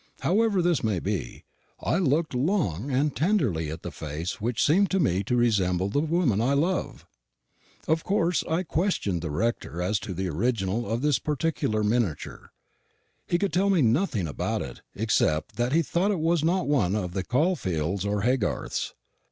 However this may be, I looked long and tenderly at the face which seemed to me to resemble the woman I love. Of course I questioned the rector as to the original of this particular miniature. He could tell me nothing about it, except that he thought it was not one of the Caulfields or Haygarths.